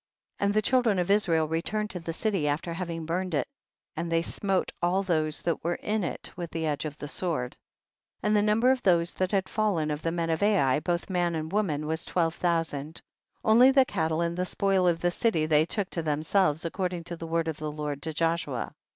47. And the children of Israel re turned to the city after having burned it, and they smote all those that were in it with the edge of the sword. 48. And the number of those that had fallen of the men of Ai, both man and woman, was twelve thousand; only the cattle and the spoil of the city they took to themselves, accord ing to the word of the Lord to Joshua.